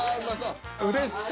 うれしい。